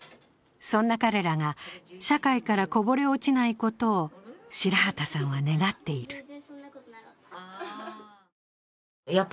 そんな彼らが社会からこぼれ落ちないことを白旗さんは願っている。